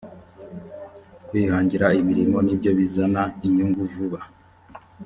kwihangira imirimo nibyo bizana inyungu vuba